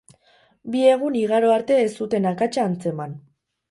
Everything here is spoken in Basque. Bi egun igaro arte ez zuten akatsa antzeman.